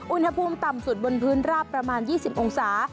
อุณหภูมิต่ำสุดบนพื้นราบประมาณ๒๐องศา